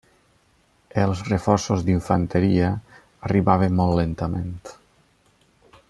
Els reforços d'infanteria arribaven molt lentament.